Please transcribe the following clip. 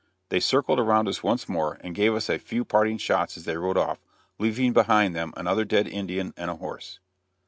They circled around us once more and gave us a few parting shots as they rode off, leaving behind them another dead Indian and a horse.